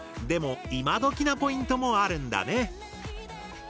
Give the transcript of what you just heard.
でもイマドキなポイントもあるんだね。